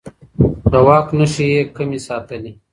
د واک نښې يې کمې ساتلې.